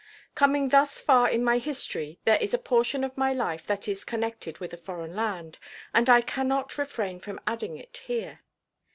Coming thus far in my history there is a portion of my life that is connected with a foreign land, and I can not refrain from adding it here.